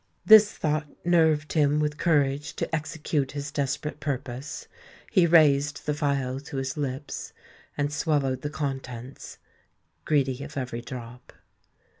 This thought nerved him with courage to execute his desperate purpose. He raised the phial to his lips, and swallowed the contents—greedy of every drop.